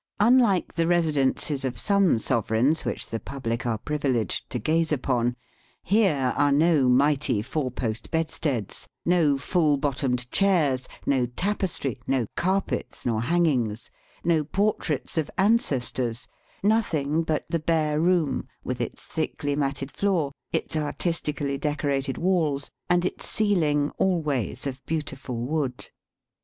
Unlike the residences of some sovereigns which the public are privileged to gaze upon, here are no mighty four post bedsteads, no full bottomed chairs, no tapestry, no carpets nor hangings, no por traits of ancestors ; nothing but the bare room, with its thickly matted floor, its artistically decorated walls, and its ceiling always of beau tiful wood.